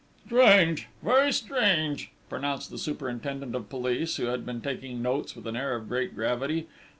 "Strange, very strange!" pronounced the superintendent of police, who had been taking notes with an air of great gravity.